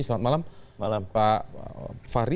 selamat malam pak fahri